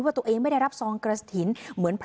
ว่าตัวเองไม่ได้รับทรองกระถิน